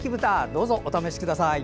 どうぞお試しください。